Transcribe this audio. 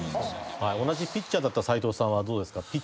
同じピッチャーだった斎藤さんはどうですか？